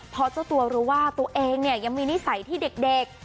เพราะเจ้าตัวรู้ว่าตัวเองเนี่ยยังมีนิสัยที่เด็ก